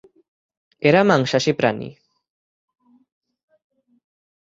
এরা মাংসাশী প্রাণী।